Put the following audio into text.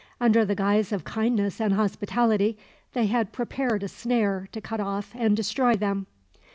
Under the guise of kindness and hospitality, they had prepared a snare to cut off and destroy them.